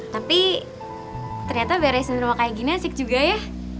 tapi ternyata beresin rumah kayak gini asik juga ya